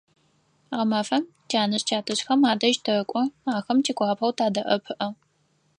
Гъэмэфэм тянэжъ-тятэжъхэм адэжь тэкӀо, ахэм тигуапэу тадэӀэпыӀэ.